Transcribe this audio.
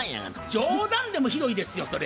冗談でもひどいですよそれ。